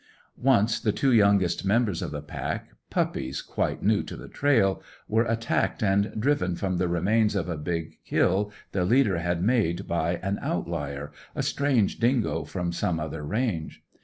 Once, the two youngest members of the pack, puppies quite new to the trail, were attacked and driven from the remains of a big kill the leader had made by an outlier, a strange dingo from some other range.